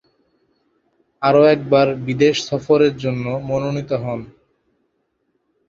আরও একবার বিদেশ সফরের জন্য মনোনীত হন।